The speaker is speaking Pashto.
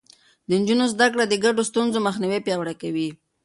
د نجونو زده کړه د ګډو ستونزو مخنيوی پياوړی کوي.